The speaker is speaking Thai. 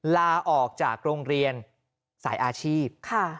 ลาออกจากโรงเรียนสายอาชีพ